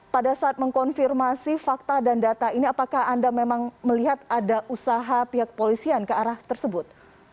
pada saat mengkonfirmasi fakta dan data ini apakah anda memang melihat ada usaha pihak polisian ke arah tersebut